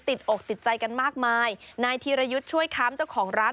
อกติดใจกันมากมายนายธีรยุทธ์ช่วยค้ำเจ้าของร้าน